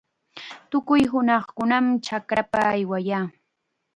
Tukuy hunaqkunam chakrapa aywayaa.